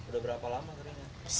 udah berapa lama keringan